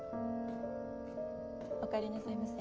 おかえりなさいませ。